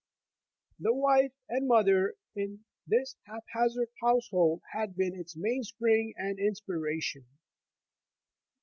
The wife and mother in this hap hazard household had been its mainspring and inspiration.